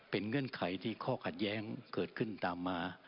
เป็นเงื่อนไขที่ข้อขัดแย้งเกิดขึ้นตามมา